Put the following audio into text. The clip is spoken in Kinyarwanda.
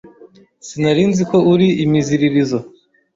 Sinari nzi ko uri imiziririzo.